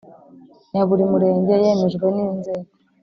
ya buri Murenge yemejwe n inzego